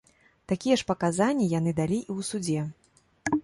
Такія ж паказанні яны далі і ў судзе.